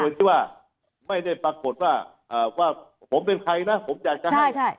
โดยที่ว่าไม่ได้ปรากฏว่าว่าผมเป็นใครนะผมอยากจะให้